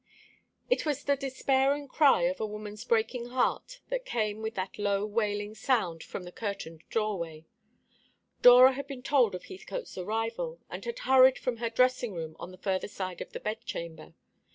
It was the despairing cry of a woman's breaking heart that came with that low wailing sound from the curtained doorway. Dora had been told of Heathcote's arrival, and had hurried from her dressing room on the further side of the bedchamber.